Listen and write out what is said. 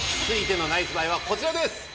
続いてのナイスバイはこちらです。